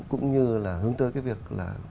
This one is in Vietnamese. cũng như là hướng tới việc